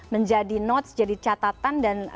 menjadi notes jadi catatan dan